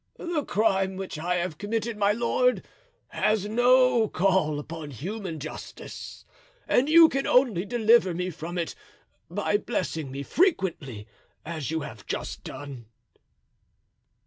"The crime which I have committed, my lord, has no call upon human justice, and you can only deliver me from it by blessing me frequently, as you have just done."